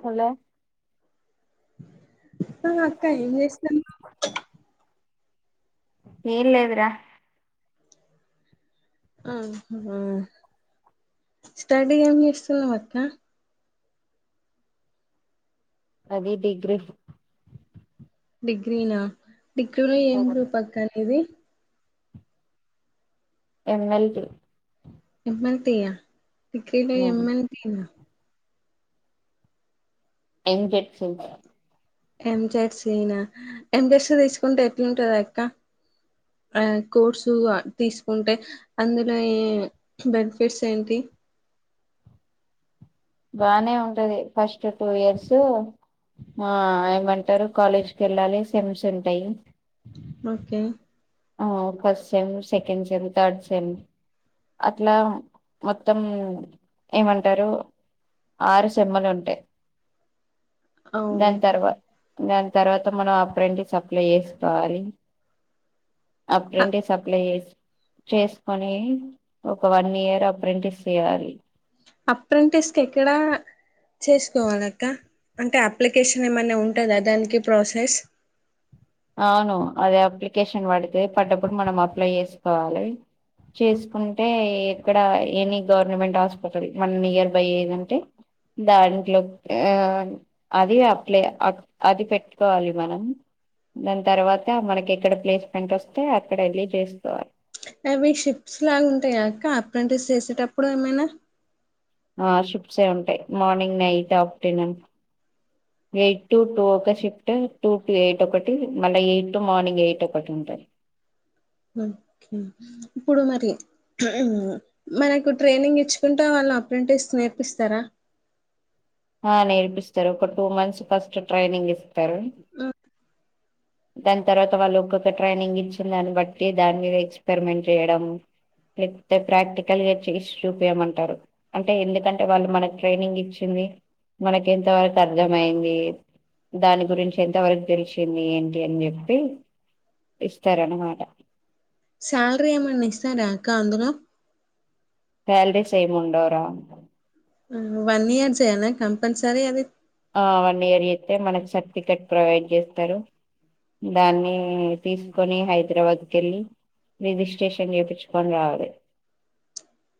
Hello ఆ అక్క ఏం చేస్తాన్నవ్ ఏం లేదుర ఆ స్టడీ ఏం చేస్తున్నవక్క? అది డిగ్రీ డిగ్రీనా డిగ్రీలో ఏం గ్రూప్ అక్క నీది ఎమ్మెల్సీ ఎమ్మెల్సీ ఈగ ఎమ్మెల్యే ఎం జెస్సి మేడం ఎంజెర్సీనా ఎంజెర్స తీసుకుంటే ఎట్లుంటంది అక్క ఆ కోర్సు తీసుకుంటే అందులో బెనిఫిట్స్ ఏంటి బానే ఉంటది ఫస్ట్ టూ ఇయర్స్ ఆ ఏమంటారు కాలేజ్కి వెళ్ళాలి సెమ్స్ ఉంటాయి ఓకే ఓ ఫస్ట్ సెమ్ సెకడ్ సెమ్ థడ్ సెమ్ అట్లా మొత్తం ఏమంటారు ఆరు సమ్మలు ఉంటాయి ఓ దాని తర్వాత దాని తర్వాత మనం అప్పుడంటి సప్లై చేసుకోవాలి అ- అప్పుడుంటే సప్లై చేసి చేసుకొని ఒక వన్ ఇయర్ అప్రెంటిస్ చేయాలి అప్రెంటిస్ ఎక్కడా చేసుకోవాలి అక్క అంటే అప్లికేషన్ ఏమైన్నా ఉంటుందా దానికి ప్రాసెస్ అవును అదే అప్లికేషన్ పడితే పడ్డప్పుడు మనం అప్లై చేసుకోవాలి చేసుకుంటే ఇక్కడ ఎనీ గవర్నమెంట్ హాస్పిటల్ మన నియర్ బై ఏదంటే దాంట్లో ఆ అది అప్లే అది పెట్టుకోవాలి మనం దాని తర్వాత మనకి ఎక్కడ ప్లేస్మెంట్ వస్తే అక్కడ వెళ్లి చేస్తవాలి అవి షిప్స్ లాగా ఉంటాయి అక అప్రంటస్ చేసేటప్పుడు ఏమైనా ఆ షిప్సే ఉంటాయి morning night afternoon eight to two ఒక షిఫ్ట్ టూ టు ఎయిట్ ఒకటి మళ్ళీ ఎయిట్ టు మార్నింగ్ ఎయిట్ ఒకటి ఉంటుంది నో సౌండ్ ఇప్పుడు మరి మనకు ట్రైనింగ్ ఇచ్చుకుంటా వాళ్ళ అప్రెంటిస్ నేర్పిస్తారా ఆ నేర్పిస్తారు ఒక టూ మంత్స్ ఫస్ట్ ట్రైనింగ్ ఇస్తారు ఉ దాని తర్వాత వాళ్ళు ఒక్కొక్క ట్రైనింగ్ ఇచ్చి దాన్ని బట్టి దాని మీద ఎక్స్పెరిమెంట్ చేయడం లేపోతే ప్రాక్టికల్గా చేసి చూపయమంటారు అంటే ఎందుకంటే వాళ్ళు మనకి ట్రైనింగ్ ఇచ్చింది మనకి ఎంత వరకు అర్థ అయింది దాని గురించి ఎంత వరకు తెలిసింది అని చెప్పి ఇస్తార అన్నమాట శాలరీ ఏమన్నాస్తా రాకా అక్క అందులో శాలరీస్ ఏముండవుర వన్ ఇయర్స్యనా కంపల్సర అది ఆ వన్ ఇయర్ అయితే మనకి సర్టిఫికెట్ ప్రొవైడ్ చేస్తారు దాన్ని తీసుకొని హైదరాబాద్ వెళ్ళి రిజిస్ట్రేషన్ చేపించుకొని రావాలి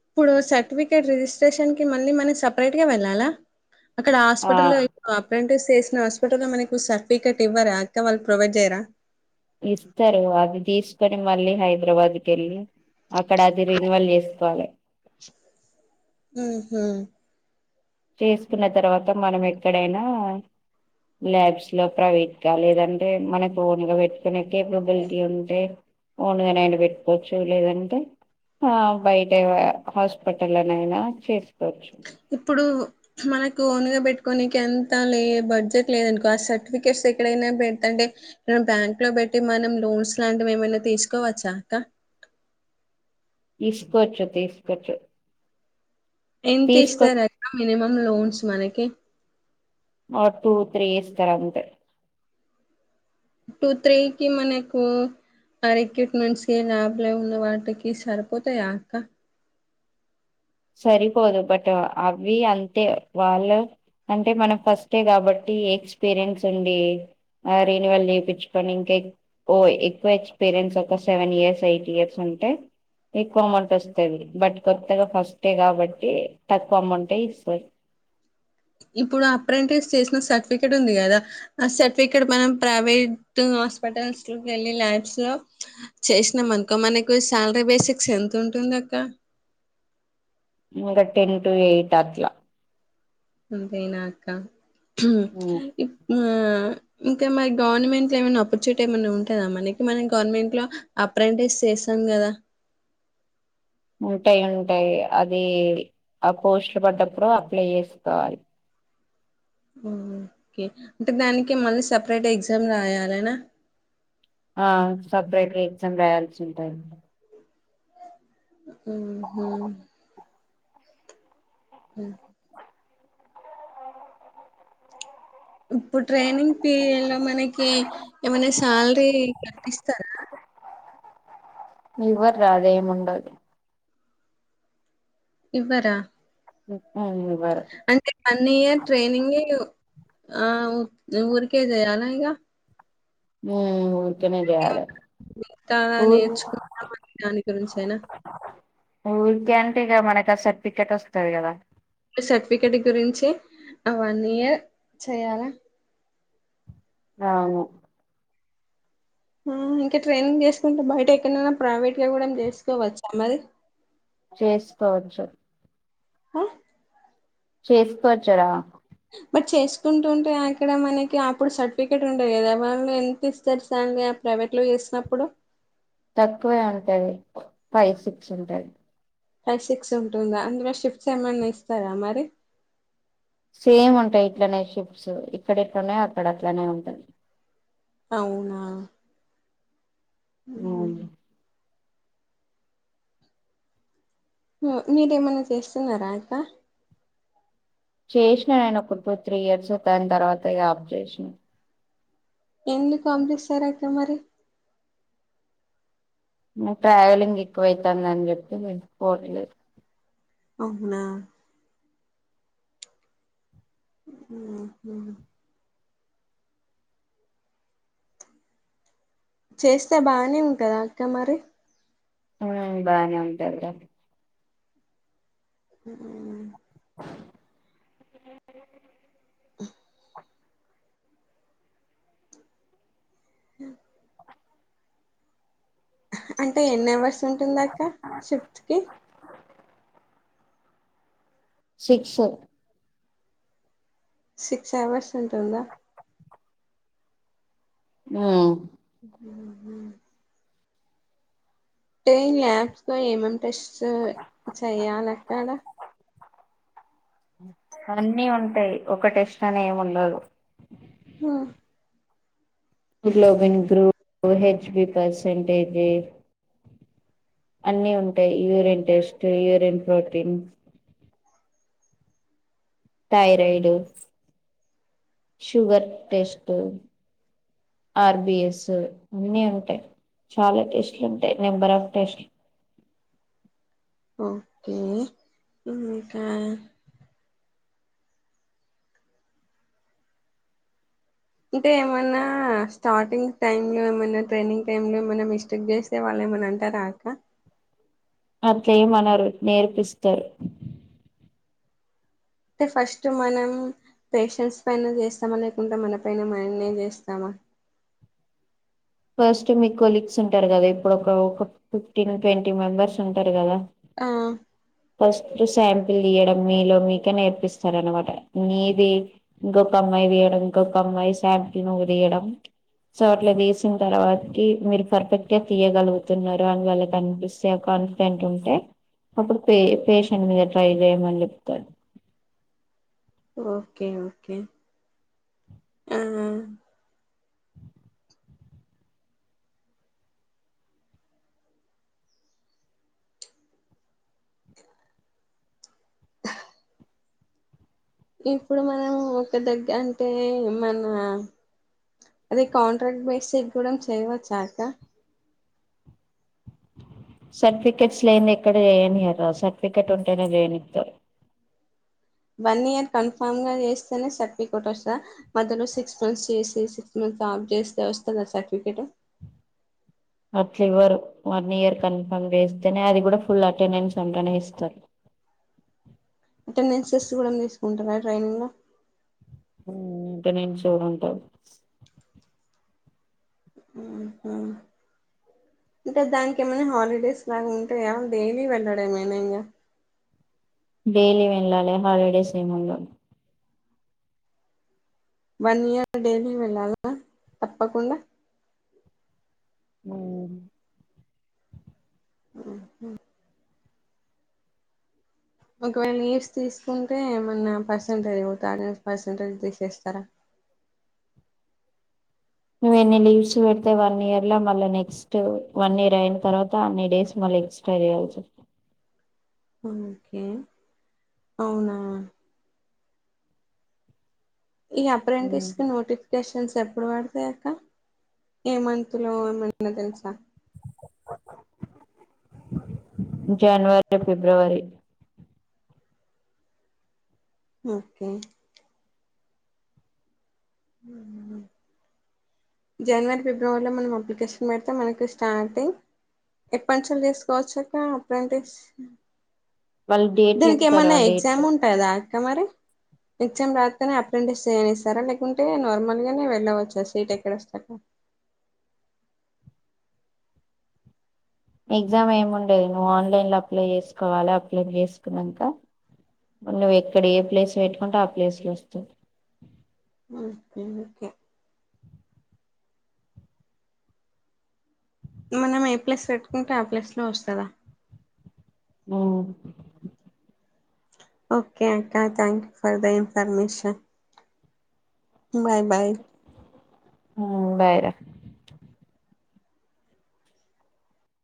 ఇప్పుడు సర్టిఫికెట్ రిజిస్ట్రేషన్కి మళ్ళీ మన సపరేట్గా వెళ్ళాలా అక్కడ ఆ హాస్పిటల్లో అప్రెంటిస్ చేేసిన హాస్పిటల్లో మనకి సర్టిఫికేట్ ఇవ్వరా అక్క వాళ్ళు ప్రొవైడ్ చేయరా ఇస్తారు అది తీసుకొని మళ్ళీ హైదరాబాద్ కి వెళ్ళి అక్కడ అది రిన్వాల్వ్ చేసుకోవాలి ఉ హ చేసుకున్న తర్వాత మనం ఎక్కడైనా ల్యాబ్స్ లో ప్రైవేట్గా లేదంటే మనకు ఓన్ గా పెట్టుకునే కెపాసిటీ ఉంటే ఓనుగనైనా పెట్టుకోవచ్చు లేదంటే ఆ బయటవ హాస్పిటల్ లోనైనా చేసుకోవచ్చు ఇప్పుడు మనకు ఒనుగా పెట్టుకోడానికి ఎంత లే బడ్జెట్ లేదనుకో ఆ సర్టిఫికెట్స్ ఎక్కడైనా పెడతంటే బ్యాంక్ లో పెట్టి మనం లోన్స్ లాంటివి ఏమైనా తీసుకోవచ్చాక తీసుకోవచ్చు తీసుకోవచ్చు ఎంత తీసుకో ఇస్తారద మినిమం లోన్స్ మనకి ఆ టూ త్రీ స్ తర అంత టూ త్రీకి మనకు అరక్యట్ నుంచి లాభలే ఉన్న వాటికి సరిపోతాయి అక్క సరిపోదు బట్ అవి అంతే వాళ్ళు అంటే మనం ఫస్టే కాబట్టి ఎక్స్పీరియన్స్ ఉండి రిన్యువల్ జీవచ్చుకొని ఇంకా ఓ ఎక్కువ ఎక్స్పీరియన్స్ ఒక సెవెన్ ఇయర్స్ ఎయిట్ ఇయర్స్ ఉ అంటే ఎక్కువ అమౌంట్ వస్తాంది బట్ కొత్తగా ఫస్ట్ అంటే కాబట్టి తక్కువ అమ్మంటేయి ఇసు ఇప్పుడు అప్రెంటిస్ చేసిన సర్టిఫికెట్ ఉంది కదా ఆ సర్టిఫికెట్ మనం ప్రైవేట్ హాస్పిటల్స్ లో వెళ్ళి ల్యాబ్స్ లో చేసినాం అనుకో మనకు శాలరీ బేసిక్స్ ఎంత ఉంటుంది నాకా మకా టెన్ టటు ఎయిట్ అత్లా అంతేనాక్క ఉమ్, ఇ ఇంకా మరి గవర్నమెంట్ లో ఏమైనా ఆపర్చునిటీ ఏమన్నా ఉంటాందా మనకి మన గవర్నమెంట్ లో అప్రెంటిస్ చేసాం కదా ఉంటాయి ఉంటాయి అది ఆ పోస్ట్లు పడ్డప్పుడు అప్లై చేసుకోవాలి ఓకే అంటే దానికి మళ్ళీ సపరేట్ ఎగ్జామ్ రాయాలనా ఆ సపరేట్ ఎగ్జామ్ రాయాల్సి ఉంటాయి ఆహా ఆ ఇప్పుడు ట్రైనింగ్ పీరియడ్ లో మనకి ఏమైనా శాలరీ కట్టిస్తారా ఇవర్ రాదయంము ఉండ అది ఇవ్వరా ఉమ్, ఇవ్వరు అంటే వన్ ఇయర్ ట్రైనింగ్ ఆఊ ఉఊరుక జయాలయగా ఉమ్ నే బారు మిగతా ఊరిక నేర్చుకుంటాం అనే దాని గురించేనా ఏంట ఇక మనక సర్టిఫికెట్ వస్తుంది కదా సర్టిఫికెట్ గురించి వన్ ఇయర్ చెయాలా ఆను ఆ ఇంకా ట్రైనింగ్ చేసుకుంటే బయట ఎక్కడనైనా ప్రైవేట్ గా కూడా చేసుకోవచ్చా మరి చేసుకోవచ్చు ఆ చేసుకోవచ్చారా బట్ చేసుకుంటుంటే అక్కడ మనకి అప్పుడు సర్టిఫికెట్ ఉంటయి కదా వాళ్ళు ఎంత ఇస్తారు సార్ ప్రైవేట్ లో చేసినప్పుడు తక్కువే ఉంటది ఫైవ్ సిక్స్ ఉంటది ఫైవ్ సిక్స్ ఉంటుందా అందులో షిఫ్ట్స్ ఏమన్నా ఇస్తారా మరి సేమ్ ఉంటాయి ఇట్లనే షిఫట్స్ ఇక్కడ ఎట్లా ఉన్నాయో అక్కడ అట్లనే ఉంటుంది అవునా హ ఉమ్ మీరేమన్నా చేస్తున్నారా ఇక చేసినా నేన ఒక టూ త్రీ ఇయర్స్ తాని తర్వాత ఇ ఆబ్ చేసినా ఎన్లు కాంప్లీ సార్క మరి ట్రావెలింగ్ ఎక్కువైతుందని చెప్పి ఫన్లేదు అవునా ఆ చేస్తే బానేం కదా అక్క మరి ఆ బానే ఉంటాారుద అ హ అంటే ఎన్ని అవర్స్ ఉంటుంది అక్క షిఫ్త్ కి సిక్స్ సిక్స్ అవర్స్ ఉంటుందా ఆ హ అే ల్యాబ్స్ త ఏమేం టెస్ట్ చెయ్యాలి అక్కడా అన్నీ ఉంటాయి ఒక టెస్ట్ అని ఏమి ఉండదు ఆ హోగ్లోబన్ గ్రూప్ హెచ్బి పర్సెంటేజే అన్నిీ ఉంటాయి urine test urine protein thyroid sugar test RBS అన్నిీ ఉంటాయి చాలా టేస్ట్లు ఉంటాయి నెంబర్ ఆఫ్ టేస్ట్లు ఓకే ఇకా అంటే ఏమన్నా స్టార్టింగ్ టైమ్ లో ఏమైన్నా ట్రైనింగ్ టైమ్ లో ఏమైన్నా మిస్టేక్ చేస్తే వాళ్ళ ఏమ నంటారా అక్క అంతే మనరు నేర్పిస్తారు అంటే ఫస్ట్ మనం పేషెన్స్ పైన చేస్తామా లేకుంటడా మన పైన మంనే చేస్తామా ఫస్ట్ మీ కొలీగ్స్ ఉంటారు కదా ఇప్పుడు ఒక ఫిఫ్టీన్ ట్వంటీ మెంబర్స్ ఉంటారు కదా ఆ అస్ శాంపిల్ తీయడం మీలో మీకే నేర్పిస్తార అనమాట నీది ఇంకొక అమ్మాయి ంొ అయిాంల్ నుయ సో అట్ల తీ విన తర్వాత మీరు పర్ఫెక్ట్ గా తీయగలుగుతున్నారు అని వాళ్ళకి కనిపిస్తే కాన్ఫిడెంట్ ఉంటే అప్పుడు పే పేషెంట్ మీద ట్రై చేయమని చెప్తాడు ఓకే ఓకే ఆ ఇప్పుడు మనం ఒక దగ్గ అంటే మన అదే కాంట్రాక్ట్ బేస్ కూడా చేయవచ్చాక సర్టిఫికెట్స్ లేని ఇక్కడ ఏయనియ సర్టిఫికెట్ ఉంటేనేది వని ఇస్తారు అ వన్ ఇయర్ కన్ఫామ్ గా చేస్తేనే చెప్ప కొట్టా సార్ మొలో సిక్స్ మంత్స్ చేసే సిక్స్ మంత్స్ ాబ్ చేస్తే వ వస్తుంద సర్టిఫికేట్ అట్లు ఇవ్వరు వన్ ఇయర్ కన్ఫర్మ్ వేస్తేనే అది కూడా ఫుల్ అటెండెన్స్ అంటనే ఇస్తారు అటెండెన్సెస్ కూడా తీసుకుంటారా ట్రైనింగ్లో ఇంట నేను చూడుంటాారు ఇకా అంటే దానికి ఏమైనా హాలిడేస్ లాగా ఉంటాయా డైలీ వెళ్ళడ ఏమైనా ఇంకా డెయిలీ వెళ్ళాలే హాలిడేస్ ఏ ముండ వన్ ఇయర్ డైలీ వెళ్ళాల తప్పకుండా ఆ హ్మ్మ్ ఒకవేళ లీవ్స్ తీసుకుంటే ఏమన్నా పర్సంటేజ్ పోతాదా అటెండెన్స్ పర్సంటేజ్ తీసేస్తారా నువ్వ ఎన్ని లీవ్స్ పెడితే వన్ ఇయర్ లో మళ్ళ నెక్స్ట్ వన్ ఇయర్ అయిన తర్వాత అన్ని డేస్ మళ్ళ ఎక్సైజ్ ఓకే అవునా ఈ అప్రెంటిస్ కి వస్తుంది నోటిఫికేషన్ తెలుసా ఎప్పుడు పడతాయి అక్క ఈ మంత్ లో ఏమైన్నా తెలుసా జనవరి టు ఫిబ్రవరి ఓకే హ జనవరి ఫిబ్రవరిలో మనం అప్లికేషన్ పెడితే మనకి స్టార్టింగ్ ఎప్పటినుంచి చేసుకోవచ్చు అక్క అప్రిటెస్ వాళ్ళు డేట్ దీనికి చెప్తారు ఏమన్నా ఆ డేట్ ఎగ్జామ్ ఉంటదా అక్క మరి ఎక్జామ్ రాస్తేనే అప్రెంటేస్ చేయనేస్తారా లేకుంటే నార్మల్ గానే వెళ్ళవచ్చా సీట్ ఎక్కడ వస్త చెప్పు ఎగ్జామ్ ఏము ఉండేది నువ్వు ఆన్లైన్ లో అప్లై చేసుకోవాలి అప్లై చేసుకున్నాక నువ్వు ఎక్కడ ఏ ప్లేస్ పెట్టుకుంటె ఆ ప్లేస్ లో వస్తు అ ఓకే మనం ఏ ప్లేస్ పెట్టుకుంటే ఆ ప్లేస్ లో వస్తుందా హ్మ్ ఓకే అక్కా thank you for the information bye bye bye రా